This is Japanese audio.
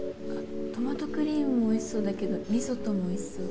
トマトクリームもおいしそうだけどリゾットもおいしそう。